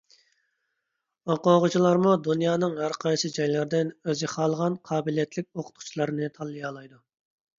ئوقۇغۇچىلارمۇ دۇنيانىڭ ھەر قايسى جايلىرىدىن ئۆزى خالىغان قابىلىيەتلىك ئوقۇتقۇچىلارنى تاللىيالايدۇ.